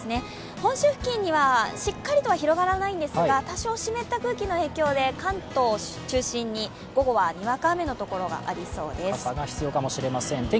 本州付近にはしっかりと広がらないんですが多少湿った空気の影響で関東を中心に午後はにわか雨のところがありそうです。